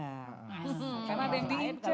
mas sama dengan dinco